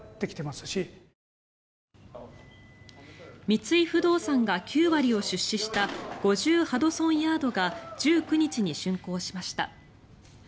三井不動産が９割を出資した５０ハドソンヤードが１９日にしゅん工しました。